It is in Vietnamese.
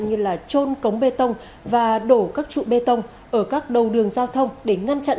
như là trôn cống bê tông và đổ các trụ bê tông ở các đầu đường giao thông để ngăn chặn